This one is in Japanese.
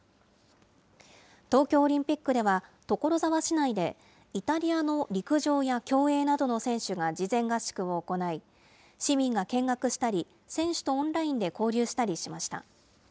東京オリンピックでは、所沢市内でイタリアの陸上や競泳などの選手が事前合宿を行い、市民が見学したり、選手とオンラインで交流したりしました。